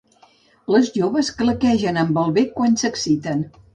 Les joves claquegen amb el bec quan s'exciten.